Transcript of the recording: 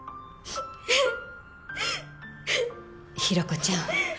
寛子ちゃん。